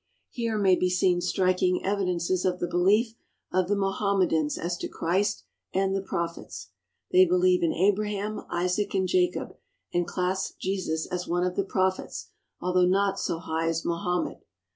Here may be seen striking evidences of the belief of the Mohammedans as to Christ and the prophets. They believe in Abraham, Isaac, and Jacob, and class Jesus as one of the prophets, although not so high as Mohammed.